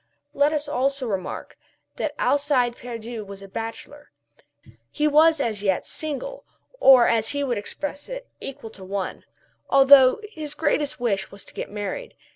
Let us also remark that Alcide Pierdeux was a bachelor. He was as yet single, or, as he would express it, equal to one (= 1) although his greatest wish was to get married.